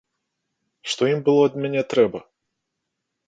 Што ім было ад мяне трэба?